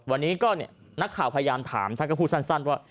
วันนี้ก็นักข่าวพยายามถามท่านก็พูดสั้นว่า